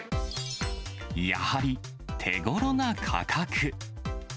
やはり手ごろな価格。